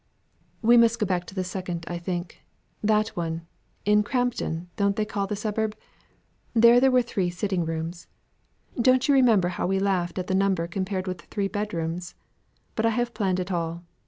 "We must go back to the second, I think. That one, in Crampton, don't they call the suburb? There were three sitting rooms; don't you remember how we laughed at the number compared with the three bed rooms? But I have planned it all.